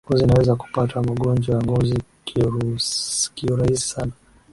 ngozi inaweza kupata magonjwa ya ngozi kiurahisi sana